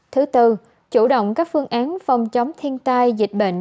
thứ tư chủ động các phương án phòng chống thiên tai dịch bệnh